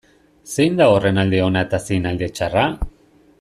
Zein da horren alde ona eta zein alde txarra?